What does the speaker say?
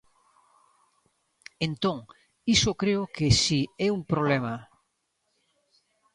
Entón, iso creo que si é un problema.